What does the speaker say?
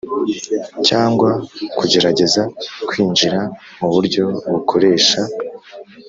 cyangwa kugerageza kwinjira mu buryo bukoresha